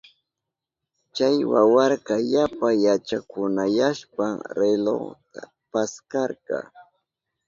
Chay wawaka yapa yachakunayashpan relojta paskarka.